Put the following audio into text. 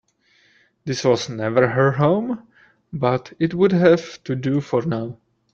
This was never her home, but it would have to do for now.